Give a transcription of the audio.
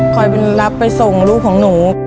คอยเป็นรับไปส่งลูกของหนู